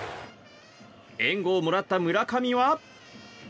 援護をもらった村上は。